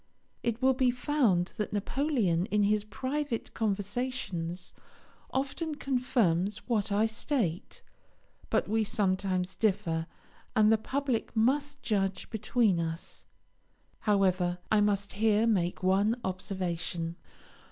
It will be found that Napoleon in his private conversations often confirms what I state; but we sometimes differ, and the public must judge between us. However, I must here make one observation.